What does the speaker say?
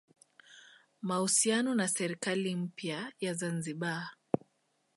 mahusiano na serikali mpya ya Zanzibar